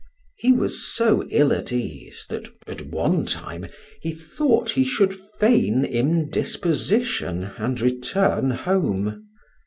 He was so ill at ease that at one time he thought he should feign indisposition and return home.